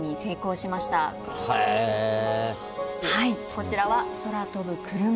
はいこちらは空飛ぶクルマ。